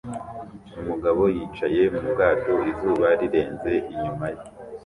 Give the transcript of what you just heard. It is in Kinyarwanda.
Umugabo yicaye mu bwato izuba rirenze inyuma ye